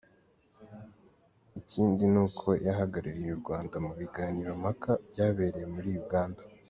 Ikindi ni uko yahagarariye u Rwanda mu biganiro mpaka byabereye muri Uganda.